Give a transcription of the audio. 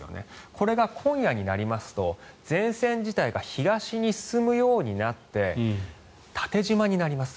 これが今夜になりますと前線自体が東に進むようになって縦じまになります。